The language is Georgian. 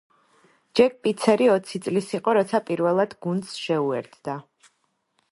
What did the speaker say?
ჯეკ პიცერი ოცი წლის იყო, როცა პირველად გუნდს შეურთდა.